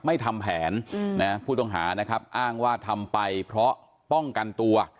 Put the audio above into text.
ไม่ทำแผนผู้ต้องหานะครับอ้างว่าทำไปเพราะป้องกันตัว